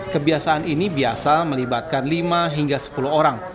kebiasaan ini biasa melibatkan lima hingga sepuluh orang